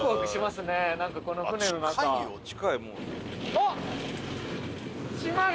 あっ！